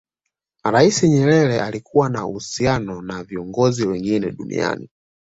rais nyerere alikuwa na uhusiano na viongozi wengi duniani